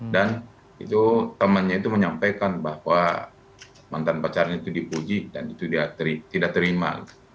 dan itu temannya itu menyampaikan bahwa mantan pacarnya itu dipuji dan itu dia tidak terima